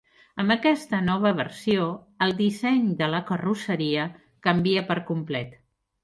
Amb aquesta nova versió el disseny de la carrosseria canvia per complet.